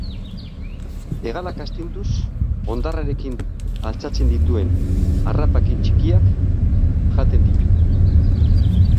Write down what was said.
Hegalak astinduz hondarrarekin altxatzen dituen harrapakin txikiak jaten ditu.